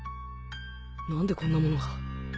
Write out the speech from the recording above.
なんでこんな物が？